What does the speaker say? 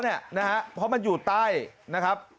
เนี่ยนะฮะเพราะมันอยู่ใต้นะครับ